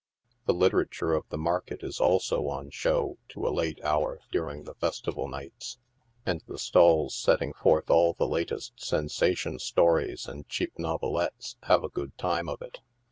The literature of the market is also on show to a late hour during the festival nights, and the stalls setting forth all the latest sensation stories and cheap novelettes have a good time of it.